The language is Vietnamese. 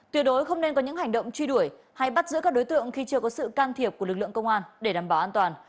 tuyệt đối không nên có những hành động truy đuổi hay bắt giữ các đối tượng khi chưa có sự can thiệp của lực lượng công an để đảm bảo an toàn